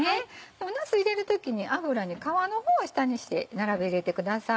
なす入れる時に油に皮の方を下にして並べ入れてください。